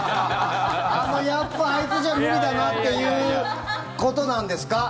ああやっぱ、あいつじゃ無理だなっていうことなんですか？